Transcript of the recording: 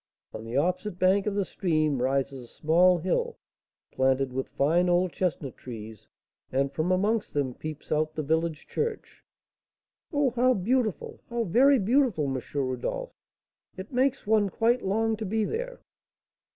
On the opposite bank of the stream rises a small hill, planted with fine old chestnut trees; and from amongst them peeps out the village church " "Oh, how beautiful, how very beautiful, M. Rodolph! It makes one quite long to be there."